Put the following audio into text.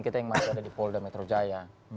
masih ada yang masih ada di polda metro jaya